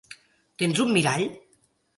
Tens un mirall?